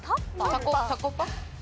タコパ？